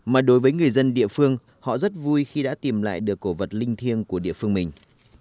mà đối với người dân địa phương họ rất vui khi đã tìm lại được cổ vật linh thiêng của địa phương mình